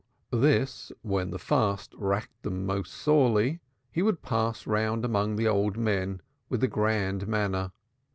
This, when the fast racked them most sorely, he would pass round among the old men with a grand manner.